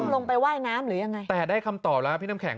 ลงไปว่ายน้ำหรือยังไงแต่ได้คำตอบแล้วพี่น้ำแข